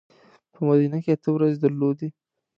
په مدینه کې اته ورځې درلودې.